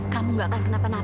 kamu gak akan kenapa nak